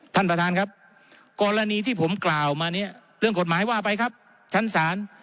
ท่านประธานครับกรณีที่ผมกล่าวมาเนี่ยเรื่องกฎหมายว่าไปครับชั้นศาล